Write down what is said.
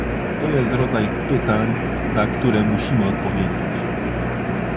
To jest rodzaj pytań, na które musimy odpowiedzieć